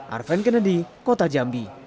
arven kennedy kota jambi